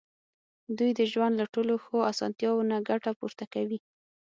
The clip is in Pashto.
دوی د ژوند له ټولو ښو اسانتیاوو نه ګټه پورته کوي.